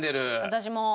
私も。